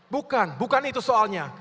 bukan bukan itu soalnya